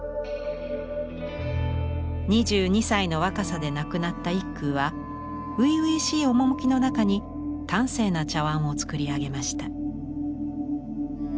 ２２歳の若さで亡くなった一空は初々しい趣の中に端正な茶碗を作り上げました。